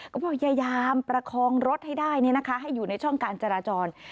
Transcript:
ก็พยายามประคองรถให้ได้ให้อยู่ในช่องการจราจร